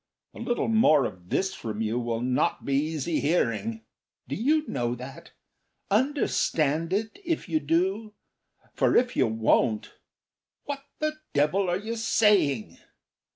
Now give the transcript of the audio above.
A little more of this from you will not be easy hearing. Do you know that? Understand it, if you do; for if you won't. ... What the devil are you saying!